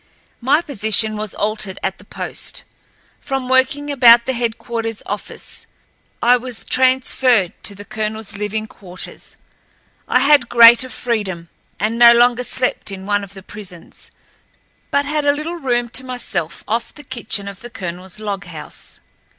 My position was altered at the post. From working about the headquarters office, I was transferred to the colonel's living quarters. I had greater freedom, and no longer slept in one of the prisons, but had a little room to myself off the kitchen of the colonel's log house.